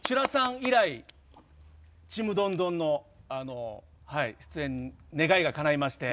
以来「ちむどんどん」の出演、願いがかないまして。